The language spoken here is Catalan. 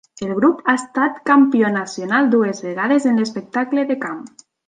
El grup ha estat campió nacional dues vegades en l'espectacle de camp.